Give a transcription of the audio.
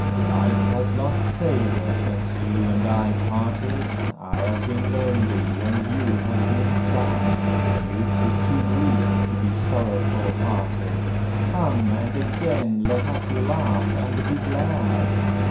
Life has lost savour since you and I parted; I have been lonely, and you have been sad. Youth is too brief to be sorrowful hearted— Come! and again let us laugh and be glad.